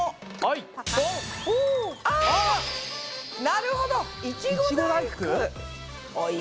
なるほど！